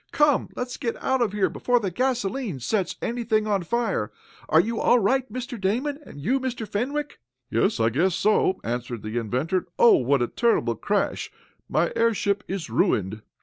"Come, let's get out of here before the gasolene sets anything on fire. Are you all right, Mr. Damon, and you, Mr. Fenwick?" "Yes, I guess so," answered the inventor. "Oh, what a terrible crash! My airship is ruined!"